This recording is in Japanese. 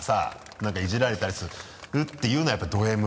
なんかイジられたりするっていうのはやっぱりドＭ。